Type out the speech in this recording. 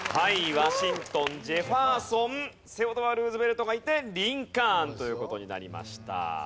ワシントンジェファーソンセオドア・ルーズベルトがいてリンカーンという事になりました。